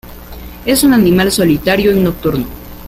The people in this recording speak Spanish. Es un animal solitario y nocturno.